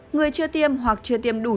người chưa tiêm hoặc chưa tiêm đủ sức khỏe